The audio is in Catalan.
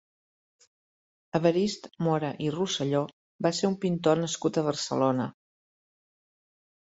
Evarist Móra i Rosselló va ser un pintor nascut a Barcelona.